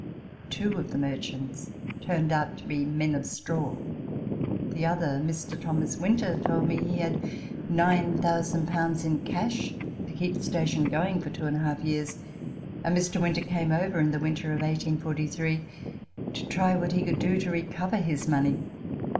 Two of the merchants turned out men of straw ; the other, Mr. Thomas Winter, told me ho had 9,000 in cash to keep the station going for two and a half years, and Mr. Winter cams over in the winter of 1843 to try what he could do to recover his money.